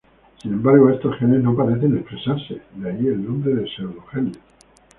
Sin embargo estos genes no parecen expresarse; de ahí el nombre de pseudogenes.